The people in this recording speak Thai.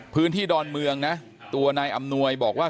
พื้นที่ดอนเมืองนะตัวนายอำนวยบอกว่า